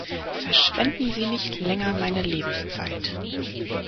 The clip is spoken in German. Verschwenden Sie nicht länger meine Lebenszeit!